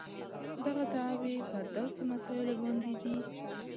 دغه دعوې پر داسې مسایلو باندې دي.